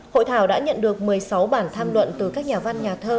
hội thảo đã nhận được một mươi sáu bản tham luận từ các nhà văn nhà thơ